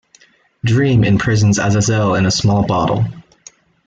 Dream imprisons Azazel in a small bottle.